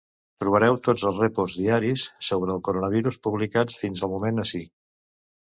Trobareu tots els reports diaris sobre el coronavirus publicats fins al moment, ací.